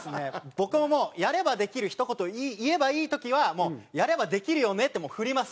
僕ももう「やればできる」ひと言言えばいい時は「やればできるよね？」ってもう振ります